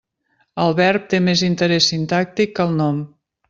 El verb té més interès sintàctic que el nom.